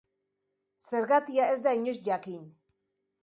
Zergatia ez da inoiz jakin.